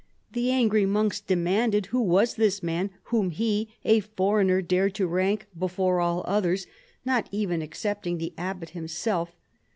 The angry monks demanded who was this man whom he, a for eigner, dared to rank before all others, not even ex cepting the abbot himself.